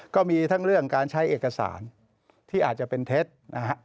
ก็มีทั้งเรื่องการใช้เอกสารที่เป็นเท็จ